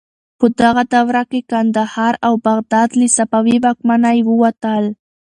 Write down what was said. په دغه دوره کې کندهار او بغداد له صفوي واکمنۍ ووتل.